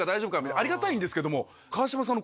ありがたいんですけども。